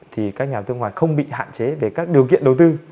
thì các nhà đầu tư ngoài không bị hạn chế về các điều kiện đầu tư